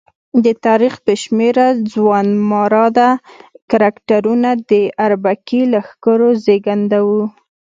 د تاریخ بې شمېره ځوانمراده کرکټرونه د اربکي لښکرو زېږنده وو.